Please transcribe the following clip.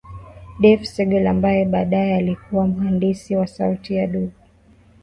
Dave Segal ambaye badaye alikuwa mhandisi wa sauti ya Dube